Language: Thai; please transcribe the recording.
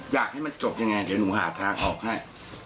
อยากให้มันจบยังไงเดี๋ยวหนูหาทางออกให้